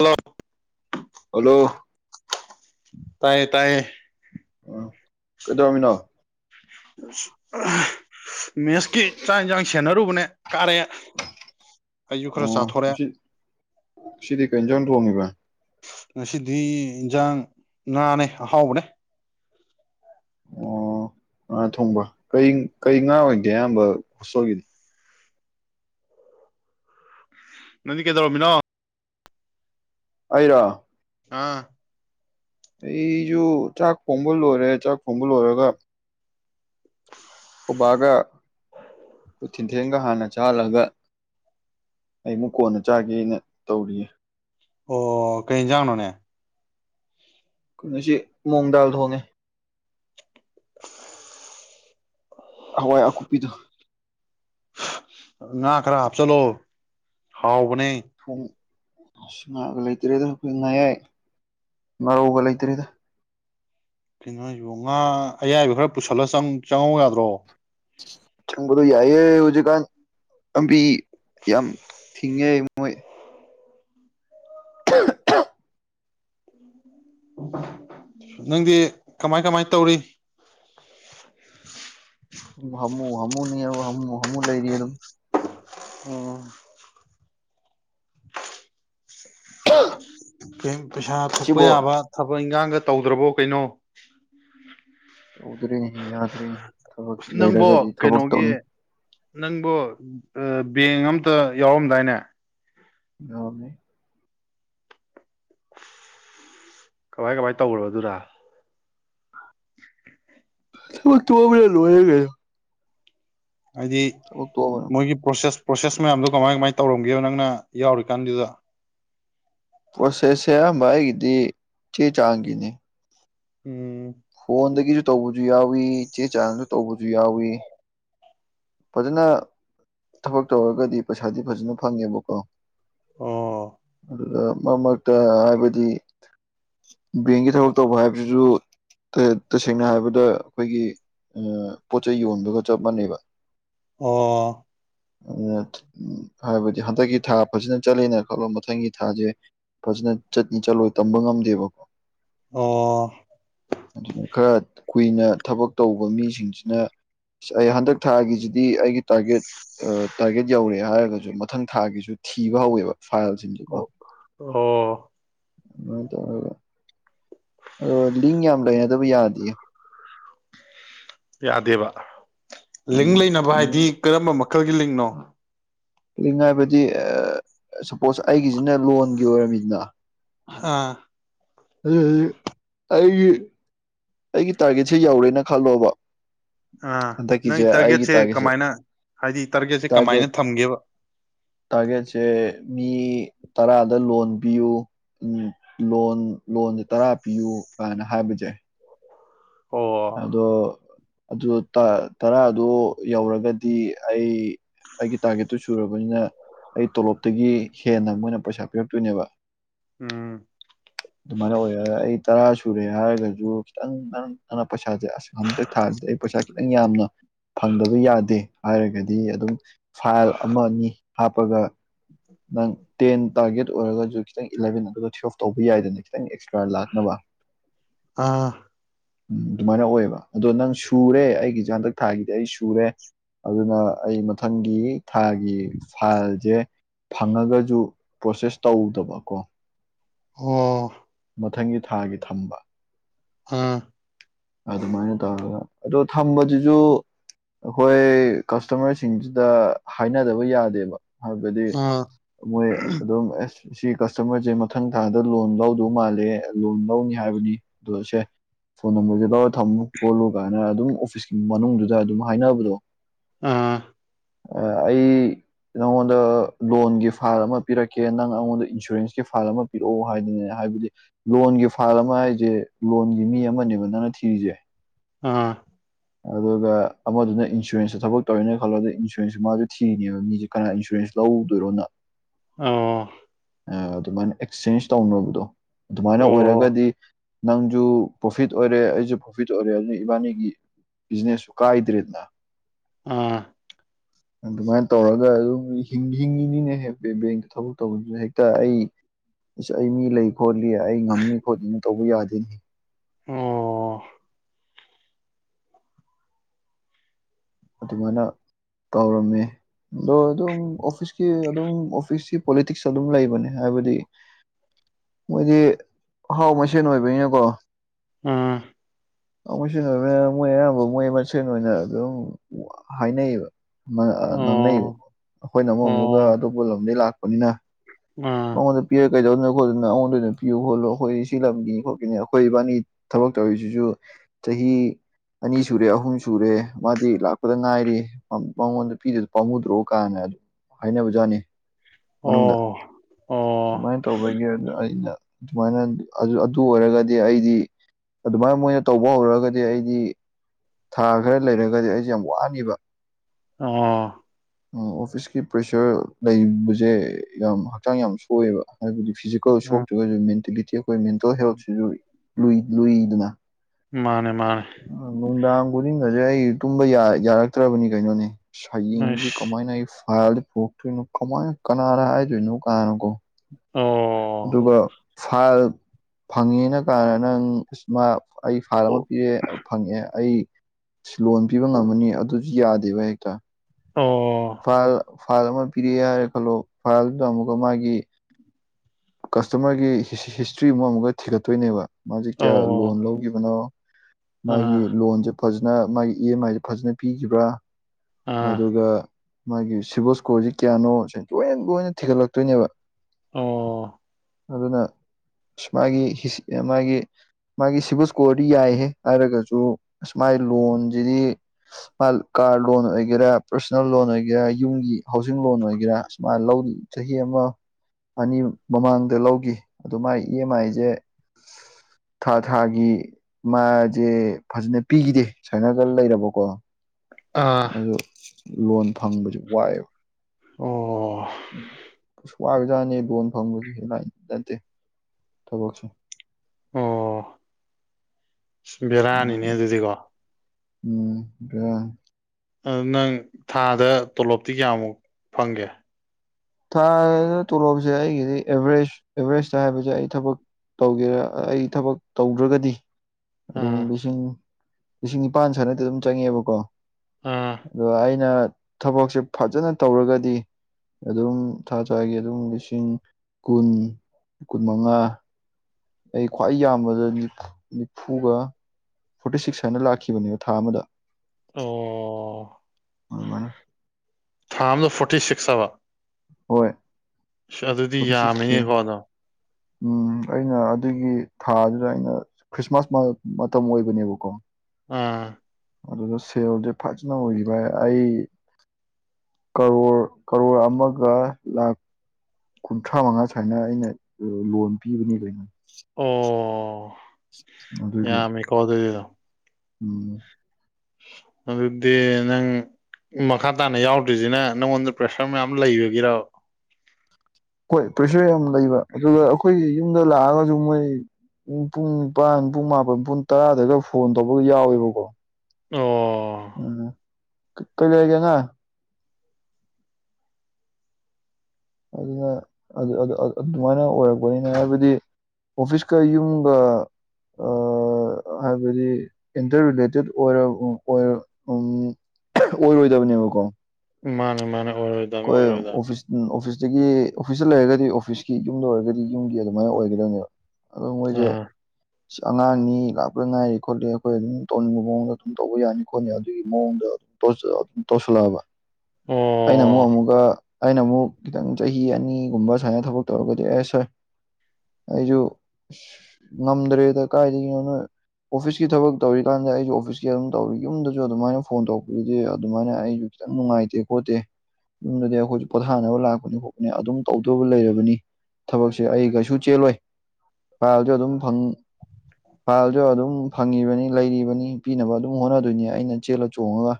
hello hello ꯇꯥꯏꯌꯦ ꯇꯥꯏꯌꯦ ꯎꯝ ꯀꯩꯗꯧꯔꯝꯃꯤꯅꯣ [unintelligible] ꯃꯦꯁꯀꯤ ꯆꯥꯛ ꯏꯟꯁꯥꯡ ꯁꯦꯟꯅꯔꯨꯕꯅꯦ ꯀꯥꯔꯛꯑꯦ ꯑꯩꯁꯨ ꯈꯔ ꯑꯣ ꯆꯥꯊꯣꯔꯛꯑꯦ ꯉꯁꯤ ꯉꯁꯤꯗꯤ ꯀꯩ ꯌꯦꯟꯁꯥꯡ ꯊꯣꯡꯉꯤꯕ ꯉꯁꯤꯗꯤ ꯏꯟꯁꯥꯡ ꯉꯥꯅꯦ ꯑꯍꯥꯎꯕꯅꯦ ꯑꯣ ꯉꯥ ꯊꯣꯡꯕ ꯀꯩ ꯀꯩ ꯉꯥ ꯑꯣꯏꯒꯦ ꯑꯌꯥꯝꯕ ꯍꯣꯁꯇꯣꯜꯒꯤꯗꯤ ꯅꯪꯗꯤ ꯀꯩꯗꯧꯔꯝꯃꯤꯅꯣ ꯑꯩꯔꯣ ꯑꯥ ꯑꯩꯁꯨ ꯆꯥꯛ ꯊꯣꯡꯕ ꯂꯣꯏꯔꯦ ꯆꯥꯛ ꯊꯣꯡꯕ ꯂꯣꯏꯔꯒ ꯑꯈꯣꯏ ꯕꯒꯥ ꯊꯤꯟꯊꯦꯡꯒ ꯍꯥꯟꯅ ꯆꯥꯍꯜꯂꯒ ꯑꯩꯃꯨꯛ ꯀꯣꯟꯅ ꯆꯥꯒꯦꯅ ꯇꯧꯔꯤꯌꯦ ꯑꯣ ꯀꯩ ꯌꯦꯟꯖꯥꯡꯅꯣꯅꯦ ꯉꯁꯤ ꯃꯣꯡ ꯗꯥꯜ ꯊꯣꯡꯉꯦ ꯍꯋꯥꯏ ꯑꯀꯨꯞꯄꯤꯗꯣ ꯉꯥ ꯈꯔ ꯍꯥꯞꯆꯜꯂꯣ ꯍꯥꯎꯕꯅꯦ ꯊꯣꯡ ꯑꯁ ꯉꯥꯒ ꯂꯩꯇ꯭ꯔꯦꯗ ꯑꯩꯈꯣꯏ ꯉꯌꯥꯏ ꯉꯥꯔꯧꯒ ꯂꯩꯇ꯭ꯔꯦꯗ ꯀꯩꯅꯣ ꯍꯥꯏꯁꯤꯕꯨ ꯉꯥ ꯑꯌꯥꯏꯕ ꯈꯔ ꯄꯨꯁꯜꯂ ꯆꯪ ꯆꯪꯍꯧ ꯌꯥꯗ꯭ꯔꯣ ꯆꯪꯕꯗꫭ ꯌꯥꯏꯌꯦ ꯍꯧꯖꯤꯛ ꯀꯥꯟ ꯂꯥꯝꯕꯤ ꯌꯥꯝ ꯊꯤꯡꯉꯦ ꯃꯣꯏ ꯊ ꯊ [unintelligible] ꯎ [inaudible] ꯅꯪꯗꯤ ꯀꯃꯥꯏ ꯀꯃꯥꯏ ꯇꯧꯔꯤ ꯍꯃꯨ ꯍꯃꯨ ꯅꯤ ꯍꯧ ꯍꯃꯨ ꯍꯃꯨ ꯂꯩꯔꯤ ꯑꯗꯨꯝ ꯑꫭ ꯍꯥ [unintelligible] ꯀꯩꯝ ꯄꯩꯁꯥ ꯊꯣꯛꯄ ꯌꯥꯕ ꯊꯕꯛ ꯏꯟꯈꯥꯡꯒ ꯇꯧꯗ꯭ꯔꯕꯣ ꯀꯩꯅꯣ ꯇꯧꯗ꯭ꯔꯦꯅꯦꯍꯦ ꯌꯥꯗ꯭ꯔꯦꯅꯦ ꯊꯕꯛꯁꯤ ꯅꯪꯕꯣ ꯂꯩꯔꯒꯗꯤ ꯊꯕꯛ ꯀꯩꯅꯣꯒꯤ ꯇꯧꯅꯤ ꯅꯪꯕꯨ ꯑꯥ ꯕꯦꯛ ꯑꯃꯇ ꯌꯥꯎꯔꯝꯗꯥꯏꯅꯦ ꯌꯥꯎꯔꯝꯃꯤ ꯀꯃꯥꯏ ꯀꯃꯥꯏ ꯇꯧꯒ꯭ꯔꯕ ꯑꯗꯨꯅ ꯊꯕꯛ ꯇꯣꯛꯑꯕꯅꯤꯅ ꯂꯣꯏꯔꯦ ꯀꯩꯅꫭ ꯍꯥꯢꯗꯤ ꯊꯕꯛ ꯇꫭꯛꯑꯒ ꯄ꯭ꯔꯣꯁꯦꯁ ꯄ꯭ꯔꯣꯁꯦꯁ ꯃꯌꯥꯝꯗꯣ ꯀꯃꯥꯏ ꯀꯃꯥꯏ ꯇꯧꯔꯝꯒꯦꯕ ꯅꯪꯅ ꯌꯥꯎꯔꯤꯀꯥꯟꯗꯨꯗ ꯄ꯭ꯔꯣꯁꯦꯁꯁꯦ ꯑꯌꯥꯝꯕ ꯑꯩꯒꯤꯗꯤ ꯆꯦ ꯆꯥꯡꯒꯤꯅꯤ ꯎꯝ ꯐꯣꯟꯗꯒꯤꯁꯨ ꯇꯧꯕꯁꯨ ꯌꯥꯎꯋꯤ ꯆꯦ ꯆꯥꯡꯗ ꯇꯧꯕꯁꯨ ꯌꯥꯎꯏ ꯐꯖꯅ ꯊꯕꯛ ꯇꯧꯔꯒꯗꯤ ꯄꯩꯁꯥꯗꯤ ꯐꯖꯅ ꯐꯪꯉꯦꯕꯀꯣ ꯑꯣ ꯑꯗꯨꯗ ꯃꯔꯛ ꯃꯔꯛꯇ ꯍꯥꯏꯕꯗꯤ ꯕꯦꯡꯒꯤ ꯊꯕꯛ ꯇꯧꯕ ꯍꯥꯏꯕꯁꯤꯁꯨ ꯇꯁꯦꯡꯅ ꯍꯥꯏꯔꯕꯗ ꯑꯩꯈꯣꯏꯒꯤ ꯄꯣꯠ ꯆꯩꯩ ꯌꯣꯟꯕꯒ ꯆꯞ ꯃꯥꯟꯅꯩꯕ ꯑꯣ ꯑꯗꯨꯅ ꯍꯥꯏꯕꯗꯤ ꯍꯟꯗꯛꯀꯤ ꯊꯥ ꯐꯖꯅ ꯆꯠꯂꯦꯅ ꯈꯜꯂꯣ ꯃꯊꯪꯒꯤ ꯊꯥꯁꯦ ꯐꯖꯅ ꯆꯠꯅꯤ ꯆꯠꯂꯣꯏ ꯇꯝꯕ ꯉꯝꯗꯦꯕꯀꯣ ꯑꯣ ꯑꯗꯨꯅ ꯈꯔ ꯀꯨꯏꯅ ꯊꯕꯛ ꯇꯧꯕ ꯃꯤꯁꯤꯡꯁꯤꯅ ꯑꯩ ꯍꯟꯗꯛ ꯊꯥꯒꯤꯁꯤꯗꯤ ꯑꯩꯒꯤ ꯇꯥꯔꯒꯦꯠ ꯑ ꯇꯥꯔꯒꯦꯠ ꯌꯧꯔꯦ ꯍꯥꯏꯔꯒꯁꯨ ꯃꯊꯪ ꯊꯥꯒꯤꯁꯨ ꯊꯤꯕ ꯍꯧꯋꯦꯕ ꯐꯥꯏꯜ ꯖꯤꯡꯒꯤꯀꫭ ꯑꯣ ꯑꯣ ꯑꯗꯨꯃꯥꯏꯟ ꯇꯧꯔꯒ ꯑꯗꯣ ꯂꯤꯡ ꯌꯥꯝ ꯂꯩꯅꯗꯕ ꯌꯥꯗꯤꯌꯦ ꯌꯥꯗꯦꯕ ꯂꯤꯡ ꯎꯝ ꯂꯩꯅꯕ ꯂꯤꯡ ꯍꯥꯏꯗꯤ ꯀꯔꯝꯕ ꯃꯈꯜꯒꯤ ꯂꯤꯡꯅꯣ ꯂꯤꯡ ꯍꯥꯏꯕꯗꯤ ꯑꯥ ꯁꯄꯣꯁ ꯑꯩꯒꯤꯁꯤꯅ ꯂꯣꯟꯒꯤ ꯑꯣꯏꯔꯝꯃꯤꯗꯅ ꯑꯥ [unintelligible] ꯑꯩꯒꯤ ꯑꯩꯒꯤ ꯇꯥꯔꯒꯦꯠꯁꯦ ꯌꯧꯔꯦꯅ ꯈꯜꯂꯣꯕ ꯑꯥ ꯍꯟꯗꯛꯀꯤꯁꯦ ꯅꫭꯏ ꯑꯩꯒꯤ ꯇꯥꯔꯒꯦꯠꯁꯦ ꯀꯃꯥꯏꯅ ꯍꯥꯏꯗꯤ ꯇꯥꯔꯒꯦꯠꯁꯦ ꯇꯥꯔꯒꯦꯠ ꯀꯃꯥꯏꯅ ꯊꯝꯒꯦꯕ ꯇꯥꯔꯒꯦꯠꯁꯦ ꯃꯤ ꯇꯔꯥꯗ ꯂꯣꯟ ꯄꯤꯌꯨ ꯎꯝ ꯂꯣꯟ ꯂꯣꯟꯁꯦ ꯇꯔꯥ ꯄꯤꯌꯨ ꯀꯥꯏꯅ ꯍꯥꯏꯕꯖꯦ ꯑꯣ ꯑꯗꯣ ꯑꯗꯨ ꯇ ꯇꯔꯥꯗꯣ ꯌꯧꯔꯒꯗꯤ ꯑꯩ ꯑꯩꯒꯤ ꯇꯥꯔꯒꯦꯠꯇꯨ ꯁꯨꯔꯕꯅꯤꯅ ꯑꯩ ꯇꯣꯂꯣꯞꯇꯒꯤ ꯍꯦꯟꯅ ꯃꯣꯏꯅ ꯄꯩꯁꯥ ꯄꯤꯔꯛꯇꯣꯏꯅꯦꯕ ꯎꯝ ꯑꯗꯨꯃꯥꯏꯅ ꯑꯣꯏꯔꯒ ꯑꯩ ꯇꯔꯥ ꯁꯨꯔꯦ ꯍꯥꯏꯔꯒꯁꯨ ꯈꯤꯇꯪꯪ ꯗꯪ ꯅꯪꯅ ꯄꯩꯁꯥꯁꯦ ꯑꯁ ꯍꯟꯇꯛ ꯊꯥꯁꯤꯗ ꯑꯩ ꯄꯩꯁꯥ ꯈꯤꯇꯪ ꯌꯥꯝꯅ ꯐꯪꯗꯕ ꯌꯥꯗꯦ ꯍꯥꯏꯔꯒꯗꯤ ꯑꯗꯨꯝ ꯐꯥꯏꯜ ꯑꯃ ꯑꯅꯤ ꯍꯥꯞꯄꯒ ꯅꯪ ꯇꯦꯟ ꯇꯥꯔꯒꯦꯠ ꯑꯣꯏꯔꯒꯁꯨ ꯈꯤꯇꯪ ꯏꯜꯂꯕꯦꯟ ꯑꯗꯨꯒ ꯊꯨꯌꯦꯜꯐ ꯇꯧꯕ ꯌꯥꯏꯗꯅ ꯈꯤꯇꯡ ꯑꯦꯛꯁꯇ꯭ꯔꯥ ꯂꯥꯛꯅꯕ ꯑꯥ ꯎꯝ ꯑꯗꯨꯃꯥꯏꯅ ꯑꯣꯏꯑꯕ ꯑꯗꯣ ꯅꯪ ꯁꯨꯔꯦ ꯑꯩꯒꯤ ꯍꯟꯗꯛ ꯊꯥꯒꯤꯗꯤ ꯑꯩ ꯁꯨꯔꯦ ꯑꯗꯨꯅ ꯑꯩ ꯃꯊꯪꯒꯤ ꯊꯥꯒꯤ ꯐꯥꯏꯜꯖꯦ ꯐꯪꯉꯒꯖꯨ ꯄ꯭ꯔꯣꯁꯦꯁ ꯇꯧꯗꯕꯀꯣ ꯑꯣ ꯃꯊꯪꯒꯤ ꯊꯥꯒꯤ ꯊꯝꯕ ꯑꯥ ꯑꯗꯨꯃꯥꯏꯅ ꯇꯧꯔꯒ ꯑꯗꯣ ꯊꯝꯕꯗꯨꯖꯨ ꯑꯈꯣꯏ ꯀꯁꯇꯃꯔꯁꯤꯡꯁꯤꯗ ꯍꯥꯏꯅꯗꯕ ꯌꯥꯗꯦꯕ ꯍꯥꯏꯕꯗꯤ ꯑꯥ ꯃꯣꯏ ꯑꯗꯨꯝ ꯑꯦꯁ ꯁꯤ ꯀꯁꯇꯃꯔꯖꯦ ꯃꯊꯪ ꯊꯥꯗ ꯂꯣꯟ ꯂꯧꯗꯨ ꯃꯥꯜꯂꯦ ꯂꯣꯟ ꯂꯧꯅꯤ ꯍꯥꯏꯕꯅꯤ ꯑꯗꯣ ꯁꯦ ꯐꯣꯟ ꯅꯝꯕꯔꯗꯨ ꯂꯧꯔ ꯊꯝꯃꯨ ꯈꯣꯠꯂꯨ ꯀꯥꯏꯅ ꯑꯗꯨꯝ ꯑꯣꯐꯤꯁꯀꯤ ꯃꯅꯨꯡꯗꯨꯗ ꯑꯗꯨꯝ ꯍꯥꯏꯅꯕꯗꯣ ꯑꯥ ꯑ ꯑꯩ ꯅꯪꯉꯣꯟꯗ ꯂꯣꯟꯒꯤ ꯐꯥꯏꯜ ꯑꯃ ꯄꯤꯔꯛꯀꯦ ꯅꯪ ꯑꯩꯉꯣꯟꯗ ꯏꯟꯁꯨꯔꯦꯟꯁꯀꯤ ꯐꯥꯏꯜ ꯑꯃ ꯄꯤꯔꯛꯑꯣ ꯍꯥꯏꯗꯣꯅꯦ ꯍꯥꯏꯕꯗꯤ ꯂꯣꯟꯒꯤ ꯐꯥꯏꯜ ꯑꯃ ꯍꯥꯏꯖꯦ ꯂꯣꯟꯒꯤ ꯃꯤ ꯑꯃꯅꯦꯕ ꯅꯪꯅ ꯊꯤ ꯊꯤꯔꯤꯖꯦ ꯑꯥ ꯑꯗꯨꯒ ꯑꯃꯗꯨꯅ ꯏꯟꯁꯨꯔꯦꯟꯁꯇ ꯊꯕꯛ ꯇꯧꯔꯦꯅ ꯈꯜꯂꯣ ꯑꯗꯨ ꯏꯟꯁꯨꯔꯦꯟꯁꯁꯨ ꯃꯥꯁꯨ ꯊꯤꯔꯤꯅꯦꯕ ꯃꯤꯁꯦ ꯀꯅꯥ ꯏꯟꯁꯨꯔꯦꯟꯁ ꯂꯧꯗꯣꯏꯔꯣꯅ ꯑꯣ ꯑ ꯑꯗꯨꯃꯥꯏꯅ ꯑꯦꯛꯆꯦꯟꯖ ꯇꯧꯅꯕꯗꯣ ꯑꯗꯨꯃꯥꯏꯅ ꯑꯣ ꯑꯣꯏꯔꯒꯗꯤ ꯅꯪꯖꯨ ꯄ꯭ꯔꯣꯐꯤꯠ ꯑꯣꯏꯔꯦ ꯑꯩꯖꯨ ꯄ꯭ꯔꯣꯐꯤꯠ ꯑꯣꯏꯔꯦ ꯑꯗꯨꯅ ꯏꯕꯥꯅꯤꯒꯤ ꯕꯤꯖꯤꯅꯦꯁꯁꯨ ꯀꯥꯏꯗ꯭ꯔꯦꯗꯅ ꯑꯥ ꯑꯗꯨꯃꯥꯏꯅ ꯇꯧꯔꯒ ꯑꯗꯨꯝ ꯍꯤꯡ ꯍꯤꯡꯉꯤꯅꯤꯅꯦꯍꯦ ꯕꯦꯡꯛꯇ ꯊꯕꯛ ꯇꯧꯕꯗꯨꯁꯨ ꯍꯦꯛꯇ ꯑꯩ ꯑꯩꯁꯨ ꯑꯩ ꯃꯤ ꯂꯩ ꯈꯣꯠꯂꯤ ꯑꯩ ꯉꯝꯃꯤ ꯈꯣꯠꯅꯤꯅ ꯇꯧꯕ ꯌꯥꯗꯦꯅꯦꯍꯦ ꯑꯣ ꯑꯗꯨꯃꯥꯏꯅ ꯇꯧꯔꯝꯃꯦ ꯑꯗꯣ ꯑꯗꯨꯝ ꯑꯣꯐꯤꯁꯀꯤ ꯑꯗꯨꯝ ꯑꯣꯐꯤꯁꯀꯤ ꯄꯣꯂꯤꯇꯤꯛꯁꯇ ꯑꯗꯨꯝ ꯂꯩꯕꯅꯦ ꯍꯥꯏꯕꯗꯤ ꯃꯣꯏꯗꯤ ꯍꯥꯎ ꯃꯁꯦꯟ ꯑꯣꯏꯕꯅꯤꯅꯀꯣ ꯎꯝ [unintelligible] ꯃꯣꯏ ꯑꯌꯥꯝꯕ ꯃꯣꯏ ꯃꯁꯦꯟ ꯑꯣꯏꯅ ꯑꯗꯨꯝ ꯍꯥꯏꯅꯩꯌꯦꯕ [unintelligible] ꯅꯥꯡꯅꯩꯕ ꯑꯣ ꯑꯩꯈꯣꯏꯅ ꯑꯃꯨꯛ ꯑꯃꯨꯛꯒ ꯑꯣ ꯑꯇꯣꯞꯄ ꯂꯝꯝꯗꯒꯤ ꯂꯥꯛꯄꯅꯤꯅ ꯑꯥ ꯃꯉꯣꯟꯗ ꯄꯤꯔ ꯀꯩꯗꯧꯗꯣꯏꯅꯣ ꯈꯣꯠꯇꯣꯏꯅꯣ ꯑꯩꯉꯣꯟꯗ ꯑꯣꯏꯅ ꯄꯤꯌꯨ ꯈꯣꯠꯂꯨ ꯑꯩꯈꯣꯏ ꯁꯤ ꯂꯝꯒꯤꯅꯝ ꯈꯣꯠꯀꯤꯅꯤ ꯑꯩꯈꯣꯏꯕꯥꯅꯤ ꯊꯕꯛ ꯇꯧꯔꯤꯁꯤꯁꯨ ꯆꯍꯤ ꯑꯅꯤ ꯁꯨꯔꯦ ꯑꯍꯨꯝ ꯁꯨꯔꯦ ꯃꯥꯗꯤ ꯂꯥꯛ ꯄꯗ ꯉꯥꯏꯔꯤ ꯃꯉꯣꯟꯗ ꯄꯤꯗꯨꯏꯗꯣ ꯄꯥꯃꯨꯗ꯭ꯔꯣ ꯀꯥꯏꯅ ꯑꯗꯨꯝ ꯍꯥꯏꯅꯕꯖꯥꯠꯅꯤ ꯃꯅꯨꯡꯗ ꯑꯣ ꯑꯣ ꯑꯗꯨꯃꯥꯏꯅ ꯇꯧꯕꯒꯤ ꯑꯗꯨ ꯑꯩꯅ ꯑꯗꯨꯃꯥꯏꯅ ꯑꯗꯨ ꯑꯣꯏꯔꯒꯗꯤ ꯑꯩꯗꯤ ꯑꯗꯨꯃꯥꯏꯅ ꯃꯣꯏꯅ ꯇꯧꯕ ꯍꯧꯔꯒꯗꯤ ꯑꯩꯗꯤ ꯊꯥ ꯈꯔ ꯂꯩꯔꯒꯗꯤ ꯑꯩꯁꯦ ꯌꯥꯝ ꯋꯥꯅꯤꯕ ꯑꯣ ꯑ ꯑꯣꯐꯤꯁꯀꯤ ꯄ꯭ꯔꯦꯁꯔ ꯂꯩꯕꯁꯦ ꯌꯥꯝ ꯍꯛꯆꯥꯡ ꯌꯥꯝ ꯁꯣꯛꯑꯦꯕ ꯍꯥꯏꯕꯗꯤ ꯐꯤꯖꯤꯀꯦꯜ ꯎꯝ ꯁꯣꯛꯇ꯭ꯔꯒꯁꯨ ꯃꯦꯟꯇꯦꯂꯤꯇꯤ ꯑꯩꯈꯣꯏ ꯃꯦꯟꯇꯦꯜ ꯍꯦꯜꯠꯁꯤꯁꯨ ꯂꯨꯏ ꯂꯨꯏꯗꯅ ꯃꯥꯅꯦ ꯃꯥꯅꯦ ꯅꯨꯡꯗꯥꯡ ꯈꯨꯗꯤꯡꯒꯁꯦ ꯑꯩ ꯇꯨꯝꯕ ꯌꯥ ꯌꯥꯔꯛꯇ꯭ꯔꯕꯅꯤ ꯀꯩꯅꯣꯅꯦ ꯍꯌꯦꯡꯁꯦ ꯑꯁ ꯀꯃꯥꯏꯅ ꯑꯩ ꯐꯥꯏꯜꯁꯦ ꯄꯨꯔꯛꯇꯣꯏꯅꯣ ꯀꯃꯥꯏꯅ ꯀꯅꯥꯗ ꯍꯥꯏꯗꯨꯏꯅꯣ ꯀꯥꯥꯟꯅ ꯀꯣ ꯑꯣ ꯑꯗꯨꯒ ꯐꯥꯏꯜ ꯐꯪꯉꯦꯅ ꯀꯥꯟꯅ ꯅꯪ ꯃꯥ ꯑꯩ ꯐꯥꯏꯜ ꯑꯃ ꯄꯤꯔꯦ ꯐꯪꯉꯡꯑꯦ ꯑꯩ ꯂꯣꯟ ꯄꯤꯕ ꯉꯝꯃꯅꯤ ꯑꯗꯨꯁꯨ ꯌꯥꯗꯦꯕ ꯍꯦꯛꯇ ꯑꯣ ꯐꯥꯏꯜ ꯐꯥꯏꯜ ꯑꯃ ꯄꯤꯔꯛꯑꯦ ꯍꯥꯏꯔ ꯈꯜꯂꯣ ꯐꯥꯏꯜꯗꯨꯗ ꯑꯃꯨꯛꯀ ꯃꯥꯒꯤ ꯀꯁꯇꯃꯔꯒꯤ ꯍꯤꯁꯇ꯭ꯔꯤ ꯑꯃ ꯑꯃꯨꯛꯀ ꯊꯤꯒꯠꯇꯣꯏꯅꯦꯕ ꯃꯥꯁꯦ ꯀꯌꯥ ꯂꯣꯟ ꯑꯣ ꯂꯧꯈꯤꯕꯅꯣ ꯕꯅꯣ ꯃꯥꯒꯤ ꯑꯥ ꯂꯣꯟꯁꯦ ꯐꯖꯅ ꯃꯥꯒꯤ ꯏ ꯑꯦꯝ ꯑꯥꯏꯁꯦ ꯐꯖꯅ ꯄꯤꯈꯤꯕ꯭ꯔꯥ ꯑꯥ ꯑꯗꯨꯒ ꯃꯥꯒꯤ ꯁꯤꯕꯣꯏꯁꯀꯣꯁꯦ ꯀꯌꯥꯅꯣ ꯁꯦ ꯂꯣꯏꯅ ꯂꯣꯏꯅ ꯊꯤꯒꯠꯂꯛꯇꯣꯏꯅꯦꯕ ꯑꯣ ꯑꯗꯨꯅ ꯃꯥꯒꯤ ꯍꯤꯁ ꯃꯥꯒꯤ ꯃꯥꯒꯤ ꯁꯤꯕꯨꯏꯁꯀꯣꯔꯗꯤ ꯌꯥꯏꯍꯦ ꯍꯥꯏꯔꯒꯁꯨ ꯑꯁ ꯃꯥꯥꯒꯤ ꯂꯣꯟꯁꯤꯗꯤ ꯐꯥꯏꯜ ꯀꯥꯔ ꯂꯣꯟ ꯑꯣꯏ ꯑꯣꯏꯒꯦꯔꯥ ꯄꯔꯁꯣꯅꯦꯜ ꯂꯣꯟ ꯑꯣꯏꯒꯦꯔꯥ ꯌꯨꯝꯒꯤ ꯍꯥꯎꯁꯤꯡ ꯂꯣꯟ ꯑꯣꯏꯒꯦꯔꯥ ꯑꯁ ꯃꯥꯅ ꯂꯧ ꯆꯍꯤ ꯑꯃ ꯑꯅꯤ ꯃꯃꯥꯡꯗ ꯂꯧꯈꯤ ꯑꯗꯨ ꯃꯥꯒꯤ ꯏ ꯑꯦꯝ ꯑꯥꯏꯁꯦ ꯊꯥ ꯊꯥꯒꯤ ꯃꯥꯁꯦ ꯐꯖꯅ ꯄꯤꯈꯤꯗꯦ ꯁꯨꯃꯥꯏꯅꯒ ꯂꯩꯔꯕꯀꯣ ꯑꯥ ꯑꯗꯨ ꯂꯣꯟ ꯐꯪꯕꯁꯨ ꯋꯥꯏꯑꯦꯕ ꯑꯣ ꯑꯣ ꯋꯥꯈ꯭ꯔꯖꯥꯠꯅꯤ ꯂꯣꯟ ꯐꯪꯕꯁꯦ ꯑꯂꯥꯏꯕ ꯅꯠꯇꯦ ꯊꯕꯛꯁꯦ ꯑꯁ ꯕꯦꯔꯥꯅꯤꯅꯦ ꯑꯗꯨꯗꯤꯀꯣ ꯎꯝ ꯕꯦꯔꯥꯅꯦ ꯑꯗꯨ ꯅꯪ ꯊꯥꯗ ꯇꯣꯂꯣꯞꯇꯤ ꯀꯌꯥꯃꯨꯛ ꯐꯪꯒꯦ ꯊꯥꯗ ꯇꯣꯂꯣꯞꯁꯦ ꯑꯩꯒꯤꯗꯤ ꯑꯦꯚꯔꯦꯁ ꯑꯦꯚꯔꯦꯁꯇ ꯍꯥꯏꯕꯁꯦ ꯑꯩ ꯊꯕꯛ ꯇꯧꯒꯦꯔ ꯑꯩ ꯊꯕꯛ ꯇꯧꯗ꯭ꯔꯒꯗꯤ ꯑꯗꯨꯝ ꯑꯥ ꯂꯤꯁꯤꯡ ꯂꯤꯁꯤꯡ ꯅꯤꯄꯥꯜ ꯁꯨꯃꯥꯏꯅꯗꯤ ꯑꯗꯨꯝ ꯆꯪꯉꯦꯕꯀꯣ ꯑꯥ ꯑꯗꯣ ꯑꯩꯅ ꯊꯕꯛꯁꯦ ꯐꯖꯅ ꯇꯧꯔꯒꯗꯤ ꯑꯗꯨꯝ ꯊꯥ ꯊꯥꯒꯤ ꯑꯗꯨꯝ ꯂꯤꯁꯤꯡ ꯀꯨꯟ ꯀꯨꯟ ꯃꯉꯥ ꯑꯩ ꯈ꯭ꯋꯥꯏ ꯌꯥꯝꯕꯗ ꯅꯤꯐꯨꯒ ꯐꯣꯔꯇꯤ ꯁꯤꯛꯁ ꯁꯥꯏꯅ ꯂꯥꯛꯈꯤꯕꯅꯦ ꯊꯥ ꯑꯃꯗ ꯑꯣ ꯑꯗꯨꯃꯥꯏꯅ ꯊꯥ ꯑꯝꯗ ꯐꯣꯔꯇꯤ ꯁꯤꯛꯁ ꯍꯥꯏꯕ ꯍꯣꯏ ꯑꯁ ꯑꯗꯨꯗꯤ ꯐꯣꯔꯇꯤ ꯁꯤꯛꯁ ꯈꯦ ꯌꯥꯝꯃꯤꯅꯦꯀꯣ ꯑꯗꯨꯝ ꯎꯝ ꯑꯩꯅ ꯑꯗꯨꯒꯤ ꯊꯥꯗꯨꯗ ꯑꯩꯅ ꯈ꯭ꯔꯤꯁꯃꯥꯁ ꯃꯇꯝ ꯑꯣꯏꯕꯅꯦꯕꯀꯣ ꯑꯥ ꯑꯗꯨꯗ ꯁꯦꯜꯁꯦ ꯐꯖꯅ ꯑꯣꯏꯔꯤꯕ ꯑꯩ ꯀꯥꯔꯣꯔ ꯀꯔꯣꯔ ꯑꯃꯒ ꯂꯥꯛ ꯀꯨꯟꯊ꯭ꯔꯥ ꯃꯉꯥ ꯁꯨꯃꯥꯏꯅ ꯑꯩꯅ ꯂꯣꯟ ꯄꯤꯕꯅꯤꯅꯦ ꯀꯩꯅꯣ ꯑꯣ ꯑꯗꯨꯒꯤ ꯌꯥꯝꯃꯦꯀꯣ ꯑꯗꯨꯗꯤꯗꯨꯞ ꯎꯝ ꯑꯗꯨꯗꯤ ꯅꯪ ꯃꯈꯥ ꯇꯥꯅ ꯌꯥꯎꯗ꯭ꯔꯤꯁꯤꯅ ꯅꯉꯣꯟꯗ ꯄ꯭ꯔꯦꯁꯔ ꯃꯌꯥꯝ ꯂꯩꯕꯒꯤꯔꯥ ꯍꯣꯏ ꯄ꯭ꯔꯦꯁꯔ ꯌꯥꯝ ꯂꯩꯕ ꯑꯗꯨꯒ ꯑꯩꯈꯣꯏꯒꯤ ꯌꯨꯝꯗ ꯂꯥꯛꯑꯒꯁꯨ ꯃꯣꯏ ꯄꯨꯡ ꯅꯤꯄꯥꯟ ꯄꯨꯡ ꯃꯥꯄꯟ ꯄꯨꯡ ꯇꯔꯥꯗꯒ ꯐꯣꯟ ꯇꯧꯕꯒ ꯌꯥꯎꯑꯦꯕꯀꯣ ꯑꯣ ꯑ ꯀꯩꯂꯩꯒꯦ ꯑꯉꯥꯡ ꯑꯗꯨꯅ ꯑ ꯑ ꯑꯗꯨꯃꯥꯏꯅ ꯑꯣꯏꯔꯛꯄꯅꯤꯅ ꯍꯥꯏꯕꯗꯤ ꯑꯣꯐꯤꯁꯀ ꯌꯨꯝꯒ ꯑ ꯍꯥꯏꯕꯗꯤ ꯏꯟꯇꯔ ꯔꯤꯂꯦꯇꯦꯠ ꯑꯣꯏꯔ ꯑꯣꯏꯔ ꯎꯝ ꯑꯣꯏꯔꯣꯏꯗꯕꯅꯦꯕꯀꯣ ꯃꯥꯅꯦ ꯃꯥꯅꯦ ꯑꯣꯏꯔꯣꯏꯗꯕ ꯈꯣꯏ ꯑꯣꯏꯔꯣꯏꯗꯕ ꯑꯣꯐꯤꯁ ꯎꯝ ꯑꯣꯐꯤꯁꯇꯒꯤ ꯑꯣꯐꯤꯁꯇ ꯂꯩꯔꯒꯗꯤ ꯑꯣꯐꯤꯁꯀꯤ ꯌꯨꯝꯗ ꯑꯣꯏꯔꯒꯗꯤ ꯌꯨꯝꯒꯤ ꯑꯗꯨꯃꯥꯏꯅ ꯑꯣꯏꯒꯗꯕꯅꯦꯕ ꯑꯗꯨ ꯃꯣꯏꯁꯦ ꯑꯥ ꯑꯉꯥꯡꯅꯤ ꯂꯥꯛꯄꯗ ꯉꯥꯏꯔꯤ ꯈꯣꯠꯂꯤ ꯑꯩꯈꯣꯏ ꯑꯗꯨꯝ ꯇꯧꯅꯤꯡꯕ ꯃꯑꯣꯡꯗ ꯑꯗꯨꯝ ꯇꯧꯕ ꯌꯥꯅꯤ ꯈꯣꯠꯅꯤ ꯑꯗꯨꯒꯤ ꯃꯑꯣꯡꯗ ꯇꯣꯔꯆꯔ ꯑꯗꯨꯝ ꯇꯧꯁꯜꯂꯛꯑꯕ ꯑꯣ ꯑ ꯑꯃꯨꯛ ꯑꯃꯨꯛꯀ ꯑꯩꯅ ꯑꯃꯨꯛ ꯈꯤꯇꯪ ꯆꯍꯤ ꯑꯅꯤꯒꯨꯝꯕ ꯁꯨꯃꯥꯏꯅ ꯊꯕꯛ ꯇꯧꯔꯒꯗꯤ ꯑꯦ ꯁꯔ ꯑꯩꯁꯨ ꯉꯗ꯭ꯔꯦꯗ ꯀꯥꯏꯗꯒꯤꯅꯣ ꯅꯣꯏ ꯑꯣꯐꯤꯁꯀꯤ ꯊꯕꯛ ꯇꯧꯔꯤꯀꯥꯟꯗ ꯑꯩꯁꯨ ꯑꯣꯐꯤꯁꯀꯤ ꯑꯗꯨꯝ ꯇꯧꯔꯤ ꯌꯨꯝꯗꯁꯨ ꯑꯗꯨꯃꯥꯏꯅ ꯐꯣꯟ ꯇꯧꯔꯛꯃꯄꯗꯨꯗꯤ ꯑꯗꯨꯃꯥꯏꯅ ꯑꯩꯁꯨ ꯈꯤꯇꯪ ꯅꯨꯡꯉꯥꯏꯇꯦ ꯈꯣꯠꯇꯦ ꯌꯨꯝꯗꯗꯤ ꯑꯩꯈꯣꯏꯁꯨ ꯄꯣꯊꯥꯅꯕ ꯂꯥꯛꯄꯅꯤ ꯈꯣꯠꯄꯅꯦ ꯑꯗꯨꯝ ꯇꯧꯗꯕ ꯂꯩꯔꯕꯅꯤ ꯊꯕꯛꯁꯦ ꯑꯩ ꯀꯩꯁꯨ ꯆꯦꯜꯂꯣꯏ ꯐꯥꯏꯜꯁꯨ ꯑꯗꯨꯝ ꯐꯪ ꯐꯥꯏꯜꯁꯨ ꯑꯗꯨꯝ ꯐꯪꯉꯤꯕꯅꯤ ꯂꯩꯔꯤꯕꯅꯤ ꯄꯤꯅꯕ ꯑꯗꯨꯝ ꯍꯣꯠꯅꯗꯣꯏꯅꯦ ꯑꯩꯅ ꯆꯦꯜꯂ ꯆꯣꯡꯉꯒ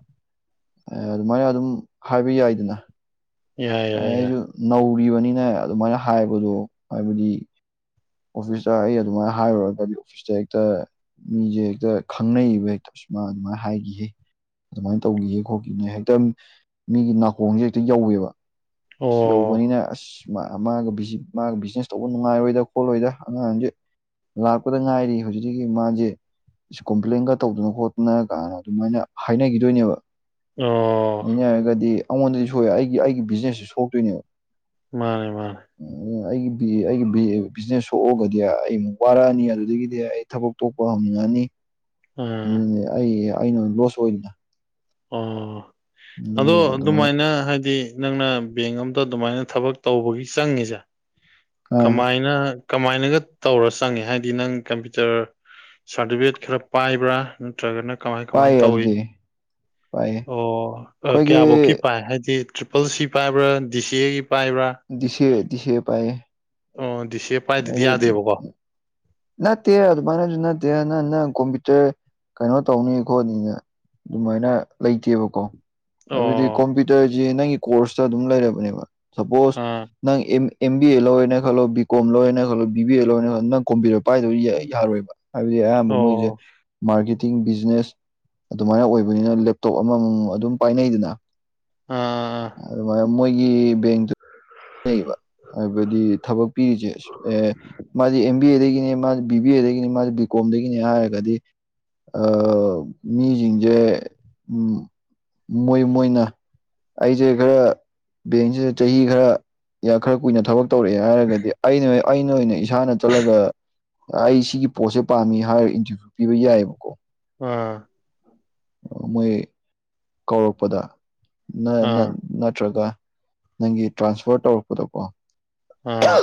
ꯑꯦ ꯑꯗꯨꯃꯥꯏꯅ ꯑꯗꯨꯝ ꯍꯥꯏꯕ ꯌꯥꯏꯗꯅ ꯌꯥꯏ ꯌꯥꯏ ꯑꯩꯁꯨ ꯌꯥꯏ ꯅꯧꯔꯤꯕꯅꯤꯅ ꯑꯗꯨꯃꯥꯏꯅ ꯍꯥꯏꯕꯗꯣ ꯍꯥꯏꯕꯗꯤ ꯑꯣꯐꯤꯁꯇ ꯑꯩ ꯑꯗꯨꯃꯥꯏꯅ ꯍꯥꯏꯔꯨꯔꯒꯗꯤ ꯑꯣꯐꯤꯁꯇ ꯍꯦꯛꯇ ꯃꯤꯁꯦ ꯍꯦꯛꯇ ꯈꯪꯅꯩꯕ ꯍꯦꯛꯇ ꯁꯨꯃꯥꯏ ꯑꯗꯨꯃꯥꯏꯅ ꯍꯥꯏꯈꯤꯍꯦ ꯑꯗꯨꯃꯥꯏꯅ ꯇꯧꯈꯤꯍꯦ ꯈꯣꯠꯈꯤꯅꯦ ꯍꯦꯛꯇ ꯃꯤꯒꯤ ꯅꯥꯀꯣꯡꯁꯦ ꯍꯦꯛꯇ ꯌꯧꯋꯦꯕ ꯌꯧ ꯑꯣ ꯕꯅꯤꯅ ꯑꯁ ꯃꯥ ꯃꯥꯒ ꯕꯤꯖꯤ ꯃꯥꯒ ꯕꯤꯖꯤꯅꯦꯁ ꯇꯧꯕ ꯅꯨꯡꯉꯥꯏꯔꯣꯏꯗ ꯈꯣꯠꯂꯣꯏꯗ ꯑꯉꯥꯡꯁꯦ ꯂꯥꯛꯄꯗ ꯉꯥꯏꯔꯤ ꯍꯧꯖꯤꯛꯇꯀꯤ ꯃꯥꯁꯦ ꯀꯣꯝꯄ꯭ꯂꯦꯟꯒ ꯇꯧꯗꯅ ꯈꯣꯠꯇꯅ ꯀꯥꯅ ꯑꯗꯨꯃꯥꯏꯅ ꯍꯥꯏꯅꯈꯤꯗꯣꯏꯅꯦꯕ ꯑꯣ ꯍꯥꯏꯅꯔꯒꯗꯤ ꯑꯩꯉꯣꯟꯗꯗꯤ ꯁꯣꯛꯑꯦ ꯑꯩꯒꯤ ꯑꯩꯒꯤ ꯕꯤꯖꯤꯅꯦꯁꯁꯨ ꯁꯣꯛꯇꯣꯏꯅꯦꯕ ꯃꯥꯅꯦ ꯃꯥꯅꯦ ꯎ ꯑꯩꯒꯤ ꯕꯤ ꯑꯩꯒꯤ ꯕꯤ ꯕꯤꯖꯤꯅꯦꯁ ꯁꯣꯛꯑꯒꯗꯤ ꯑꯩ ꯑꯃꯨꯛ ꯋꯥꯔꯛꯑꯅꯤ ꯑꯗꯨꯗꯒꯤꯗꯤ ꯑꯩ ꯊꯕꯛ ꯇꯣꯛꯄ ꯍꯧꯅꯤꯡꯉꯛꯑꯅꯤ ꯑꯥ ꯑꯗꯨꯅꯤ ꯑꯩ ꯑꯩꯅ ꯂꯣꯁ ꯑꯣꯏꯗꯅ ꯑꯣ ꯑꯗꯣ ꯑꯗꯨꯃꯥꯏꯅ ꯍꯥꯏꯗꯤ ꯅꯪꯅ ꯕꯦꯡ ꯑꯝꯗ ꯑꯗꯨꯃꯥꯏꯅ ꯊꯕꯛ ꯇꯧꯕꯒꯤ ꯆꯪꯉꯤꯁꯦ ꯑꯥ ꯀꯃꯥꯏꯅ ꯀꯃꯥꯏꯅꯒ ꯇꯧꯔ ꯆꯪꯉꯦ ꯍꯥꯏꯗꯤ ꯅꯪ ꯀꯝꯄ꯭ꯌꯨꯇꯔ ꯁꯥꯔꯇꯤꯐꯤꯀꯦꯠ ꯈꯔ ꯄꯥꯏꯕ꯭ꯔꯥ ꯅꯠꯇ꯭ꯔꯒꯅ ꯀꯃꯥꯏ ꯀꯃꯥꯏ ꯄꯥꯏꯌꯦ ꯇꯧꯋꯤ ꯑꯗꯨꯗꯤ ꯄꯥꯏꯌꯦ ꯑꯣ ꯑꯩꯈꯣꯏꯒꯤ ꯀꯌꯥꯐꯧꯀꯤ ꯄꯥꯏ ꯍꯥꯏꯗꯤ ꯇ꯭ꯔꯤꯄꯜ ꯁꯤ ꯄꯥꯏꯕ꯭ꯔꯥ ꯗꯤ ꯁꯤ ꯑꯦꯒꯤ ꯄꯥꯏꯕ꯭ꯔꯥ ꯗꯤ ꯁꯤ ꯑꯦ ꯗꯤ ꯁꯤ ꯑꯦ ꯄꯥꯏꯌꯦ ꯑꯣ ꯗꯤꯁꯦꯞ ꯑꯩ ꯅꯠꯇꯦ ꯑꯗꯨꯃꯥꯏꯅꯖꯨ ꯅꯠꯇꯦ ꯅꯪ ꯅꯪ ꯀꯣꯝꯄ꯭ꯌꯨꯇꯔ ꯀꯩꯅꯣ ꯇꯧꯅꯤ ꯈꯣꯠꯅꯤꯅ ꯑꯗꯨꯃꯥꯏꯅ ꯂꯩꯇꯦꯕꯀꯣ ꯍꯥꯏꯕꯗꯤ ꯑꯣ ꯀꯝꯄ꯭ꯌꯨꯇꯔꯖꯤ ꯅꯪꯒꯤ ꯀꯣꯔꯁꯇ ꯑꯗꯨꯝ ꯂꯩꯔꯕꯅꯦꯕ ꯁꯄꯣꯁ ꯑꯥ ꯅꯪ ꯑꯦꯝ ꯑꯦꯝ ꯕꯤ ꯑꯦ ꯂꯧꯔꯦꯅ ꯈꯜꯂꯣ ꯕꯤ ꯀꯣꯝ ꯂꯣꯏꯅ ꯈꯜꯂꯣ ꯕꯤ ꯕꯤ ꯑꯦ ꯂꯧꯔꯦꯅ ꯈꯜꯂꯣ ꯅꯪ ꯀꯣꯝꯄꯤꯇꯔ ꯄꯥꯏꯗꯕ ꯌꯥ ꯌꯥꯔꯣꯏꯕ ꯍꯥꯏꯕꯗꯤ ꯑꯌꯥꯝꯕ ꯃꯣꯏꯖꯦ ꯑꯣ ꯃꯥꯔꯀꯦꯇꯤꯡ ꯕꯤꯖꯤꯅꯦꯁ ꯑꯗꯨꯃꯥꯏꯅ ꯑꯣꯏꯕꯅꯤꯅ ꯂꯦꯞꯇꯣꯞ ꯑꯃꯃꯝ ꯑꯗꯨꯝ ꯄꯥꯏꯅꯩꯗꯅ ꯑꯥ ꯑꯗꯨꯃꯥꯏꯅ ꯃꯣꯏꯒꯤ ꯕꯦꯡꯛ ꯅꯩꯕ ꯍꯥꯏꯕꯗꯤ ꯊꯕꯛ ꯄꯤꯔꯤꯖꯦ ꯑꯦ ꯃꯥꯗꯤ ꯑꯦꯝ ꯕꯤ ꯑꯦꯗꯒꯤꯅꯦ ꯃꯥꯖꯦ ꯕꯤ ꯕꯤ ꯑꯦꯗꯒꯤꯅꯦ ꯃꯥꯖꯦ ꯕꯤ ꯀꯣꯝꯗꯒꯤꯅꯤ ꯍꯥꯏꯔꯒꯗꯤ ꯑꯥ ꯃꯤꯖꯤꯡꯖꯦ ꯎꯝ ꯃꯣꯏ ꯃꯣꯏꯅ ꯑꯩꯖꯦ ꯈꯔ ꯕꯦꯡꯛꯖꯤꯗ ꯆꯍꯤ ꯈꯔ ꯈꯔ ꯀꯨꯏꯅ ꯊꯕꯛ ꯇꯧꯔꯛꯑꯦ ꯍꯥꯏꯔꯒꯗꯤ ꯑꯩꯅ ꯑꯩꯅ ꯑꯣꯏꯅ ꯏꯁꯥꯅ ꯆꯠꯂꯒ ꯑ ꯑꯩ ꯁꯤꯒꯤ ꯄꯣꯠꯁꯦ ꯄꯥꯝꯃꯤ ꯍꯥꯏꯔ ꯏꯟꯇꯔꯚꯤꯌꯨ ꯄꯤꯕ ꯌꯥꯏꯑꯕꯀꯣ ꯑꯥ ꯃꯣꯏ ꯀꯧꯔꯛꯄꯗ ꯅ ꯑꯥ ꯑꯥ ꯅꯠ ꯅꯠꯇ꯭ꯔꯒ ꯅꯪꯒꯤ ꯇ꯭ꯔꯥꯟꯁꯐꯔ ꯇꯧꯔꯛꯄꯗꯀꯣ ꯑꯥ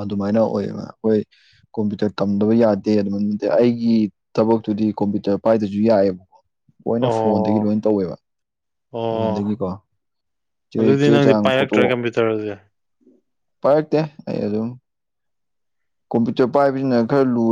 ꯑꯗꯨꯃꯥꯏꯅ ꯑꯣꯏꯌꯦꯕ ꯑꯩꯈꯣꯏ ꯀꯣꯝꯄ꯭ꯌꯨꯇꯔ ꯇꯝꯗꯕ ꯌꯥꯗꯦ ꯑꯗꯨꯃꯃꯤꯡꯇꯩ ꯑꯩꯒꯤ ꯊꯕꯛꯇꯨꯗꯤ ꯀꯝꯄ꯭ꯌꯨꯇꯔ ꯄꯥꯏꯗ꯭ꯔꯖꯨ ꯌꯥꯏꯑꯕ ꯂꯣꯏꯅ ꯐꯣꯟꯗꯒꯤ ꯑꯣ ꯂꯣꯏ ꯇꯧꯋꯦꯕ ꯑꯣ ꯐꯣꯟꯗꯒꯤꯀꯣ ꯆꯦ ꯑꯗꯨꯗꯤ ꯆꯦ ꯅꯪꯗꯤ ꯆꯥꯡ ꯐꯣꯇꯣ ꯄꯥꯏꯔꯛꯇ꯭ꯔꯦ ꯀꯝꯄ꯭ꯌꯨꯇꯔꯁꯦ ꯄꯥꯏꯔꯛꯇꯦ ꯑꯩ ꯑꯗꯨꯝ ꯀꯝꯄ꯭ꯌꯨꯇꯔ ꯄꯥꯏꯕꯁꯤꯅ ꯈꯔ ꯂꯨꯔꯦ